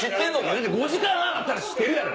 ５時間半あったら知ってるやろ。